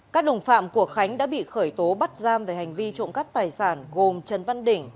các đồng phạm của khánh đã bị khởi tố bắt giam về hành vi trộm cắp tài sản gồm trần văn đỉnh